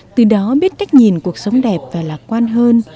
từ đó biết cách nhìn cuộc sống đẹp và lạc quan hơn